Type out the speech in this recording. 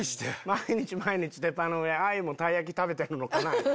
「毎日毎日鉄板の上あゆもたい焼き食べてるのかな」。